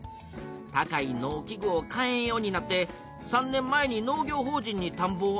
高い農機具を買えんようになって３年前に農業法人にたんぼをあずけたんやと。